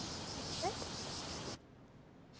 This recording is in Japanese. えっ？